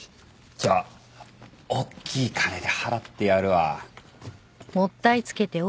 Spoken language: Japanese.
じゃあおっきい金で払ってやるわ。